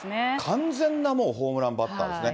完全なもうホームランバッターですね。